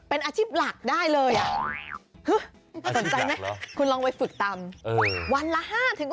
เป็นอาชีพหลักได้เลยสนใจไหมคุณลองไปฝึกตำวันละ๕